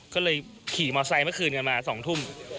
ก็เลยขี่มอไซค์เมื่อคืนกันมา๒ทุ่ม